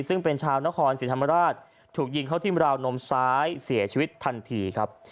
ซึ่งเป็นชาวนครศรีธรรมราชถูกยิงเข้าที่ราวนมซ้ายเสียชีวิตทันทีครับ